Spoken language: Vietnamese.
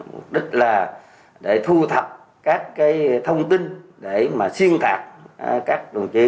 mục đích là để thu thập các cái thông tin để mà xuyên thạc các đồng chí